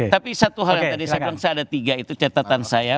tapi satu hal yang tadi saya bilang saya ada tiga itu catatan saya